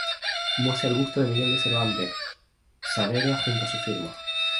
Muestra el busto de Miguel de Cervantes Saavedra junto a su firma.